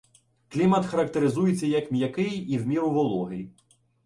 Клімат характеризується як м'який і в міру вологий.